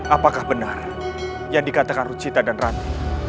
apakah benar yang dikatakan rucita dan rani